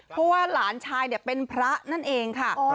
เพราะว่าหลานชายเป็นพระนั่นเองค่ะ